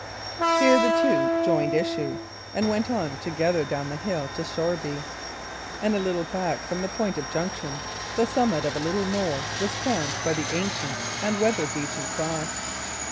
Here the two joined issue, and went on together down the hill to Shoreby; and a little back from the point of junction, the summit of a little knoll was crowned by the ancient and weather beaten cross.